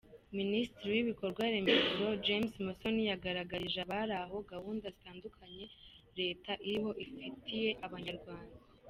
Minisitiri w’Ibikorwaremezo James Musoni yagaragarije abari aho gahunda zitandukanye leta iriho ifitiye Abanyarwanda.